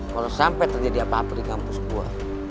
kalau sampai terjadi apa apa di kampus gue